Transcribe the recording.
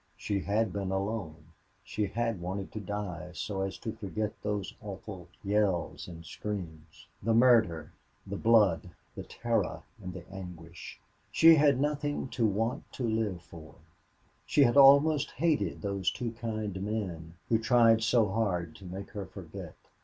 She had been alone; she had wanted to die so as to forget those awful yells and screams the murder the blood the terror and the anguish; she had nothing to want to live for; she had almost hated those two kind men who tried so hard to make her forget.